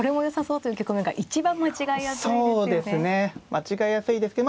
間違えやすいですけどまあ